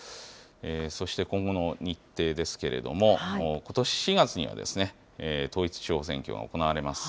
そして今後の日程ですけれども、ことし４月には、統一地方選挙が行われます。